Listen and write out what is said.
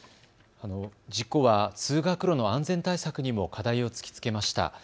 事故は通学路の安全対策にも課題を突きつけました。